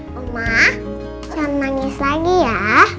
rumah jangan nangis lagi ya